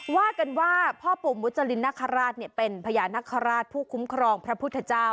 ว่ากันว่าพ่อปู่มุจรินนคราชเป็นพญานาคาราชผู้คุ้มครองพระพุทธเจ้า